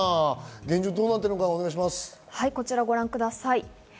現状どこちらをご覧ください。